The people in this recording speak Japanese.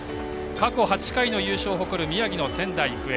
過去８回の優勝を誇る宮城の仙台育英。